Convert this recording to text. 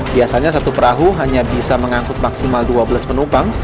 biasanya satu perahu hanya bisa mengangkut maksimal dua belas penumpang